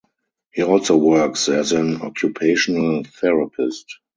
He also works as an occupational therapist.